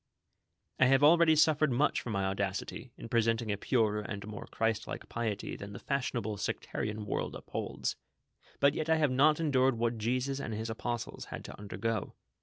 "I have already suffered much for my audacity, in presenting a purer and more Christ like piety than the fashionable sectarian world upholds, but yet I have not endured what Jesus and his apostles had to undergo.